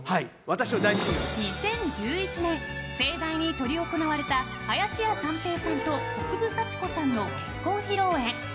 ２０１１年盛大に執り行われた林家三平さんと国分佐智子さんとの結婚披露宴。